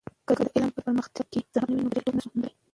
که د علم په پراختیا کې زحمت نه وي، نو بریالیتوب نسو موندلی.